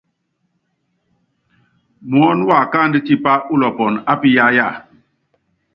Muɔ́nɔ wákáandú tipá ulɔpɔnɔ ápiyáyaaaa.